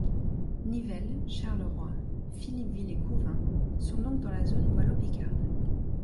Nivelles, Charleroi, Philippeville et Couvin sont donc dans la zone wallo-picarde.